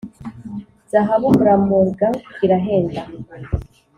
zahabu glamorgan irahenda